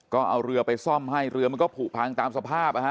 ก็เอาเรือไปซ่อมให้เรือมันก็ผูกพังตามสภาพ